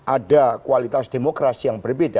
ada kualitas demokrasi yang berbeda